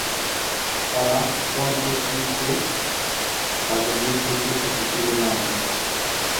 তারা শঙ্খ চিল কেও তাদের যুদ্ধের প্রতীক হিসেবে মানে।